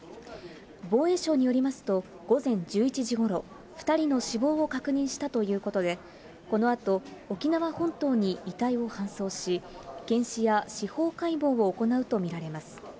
防衛省によりますと、午前１１時ごろ、２人の死亡を確認したということで、このあと、沖縄本島に遺体を搬送し、検視や司法解剖を行うと見られます。